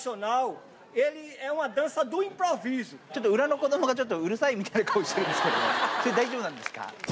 ちょっと裏の子どもが、ちょっとうるさいみたいな顔してるんですけど、ちょっと大丈夫なんですか？